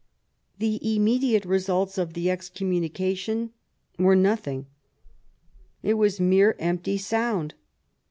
The immediate results of the excommunication were nothing. It was mere empty sound.